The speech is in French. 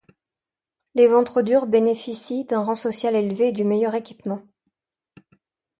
Les Ventres-durs bénéficient d'un rang social élevé et du meilleur équipement.